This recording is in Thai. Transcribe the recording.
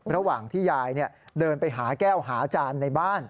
ระหว่างที่ยายเดินไปหาแก้วหาอาจารย์ในบ้าน